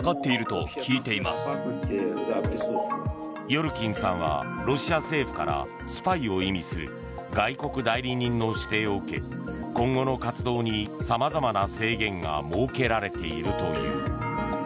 ヨルキンさんはロシア政府からスパイを意味する外国代理人の指定を受け今後の活動にさまざまな制限が設けられているという。